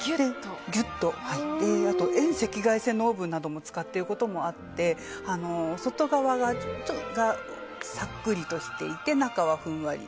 遠赤外線のオーブンなども使っていることもあって外側がさっくりとしていて中はふんわり。